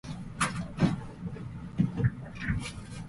生き方のレシピ